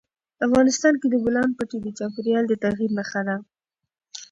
افغانستان کې د بولان پټي د چاپېریال د تغیر نښه ده.